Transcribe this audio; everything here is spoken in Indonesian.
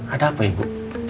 ada apa ya bu